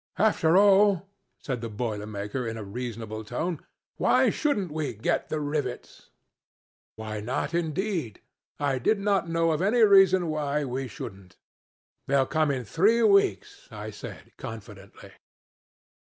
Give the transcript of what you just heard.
'After all,' said the boiler maker in a reasonable tone, 'why shouldn't we get the rivets?' Why not, indeed! I did not know of any reason why we shouldn't. 'They'll come in three weeks,' I said confidently.